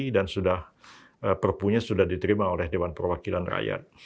dan perpunya sudah diterima oleh dewan perwakilan rakyat